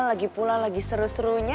lagi pula lagi seru serunya